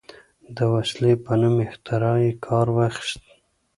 د وسلې په نوم اختراع یې کار واخیست.